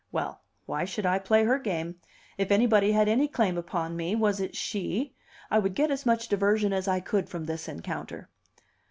Well, why should I play her game? If anybody had any claim upon me, was it she? I would get as much diversion as I could from this encounter.